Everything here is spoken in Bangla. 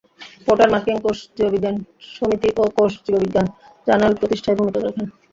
পোর্টার মার্কিন কোষ জীববিজ্ঞান সমিতি ও কোষ জীববিজ্ঞান জার্নাল প্রতিষ্ঠায় ভূমিকা রাখেন।